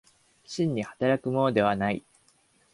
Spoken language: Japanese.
真に働くものではない。